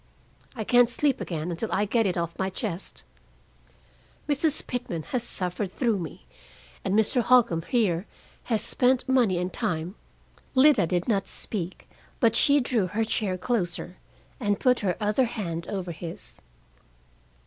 I can't sleep again until I get it off my chest. Mrs. Pitman has suffered through me, and Mr. Holcombe here has spent money and time " Lida did not speak, but she drew her chair closer, and put her other hand over his.